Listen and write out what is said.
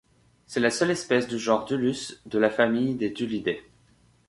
C'est la seule espèce du genre Dulus et de la famille des Dulidae.